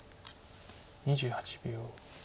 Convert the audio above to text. ２８秒。